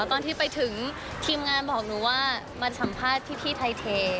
ตอนที่ไปถึงทีมงานบอกหนูว่ามาสัมภาษณ์พี่ไทยเท